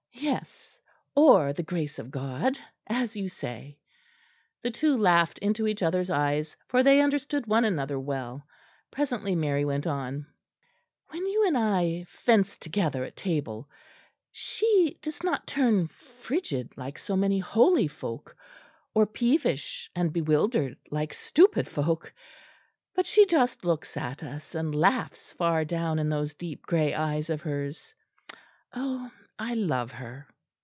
"Yes or the grace of God, as you say." The two laughed into each other's eyes, for they understood one another well. Presently Mary went on: "When you and I fence together at table, she does not turn frigid like so many holy folk or peevish and bewildered like stupid folk but she just looks at us, and laughs far down in those deep grey eyes of hers. Oh! I love her!"